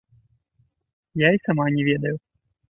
Я і сама не ведаю.